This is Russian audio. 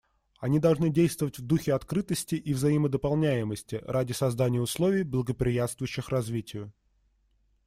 Они должны действовать в духе открытости и взаимодополняемости ради создания условий, благоприятствующих развитию.